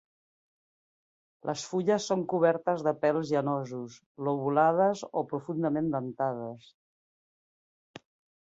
Les fulles són cobertes de pèls llanosos, lobulades o profundament dentades.